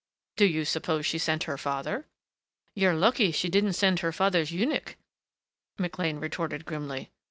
"Do you suppose she sent her father?" "You're lucky she didn't send her father's eunuch," McLean retorted grimly.